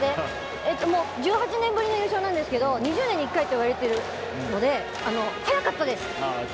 １８年ぶりの優勝なんですけど２０年に１回っていわれているので早かったです。